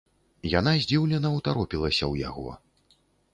Яна здзіўлена ўтаропілася ў яго.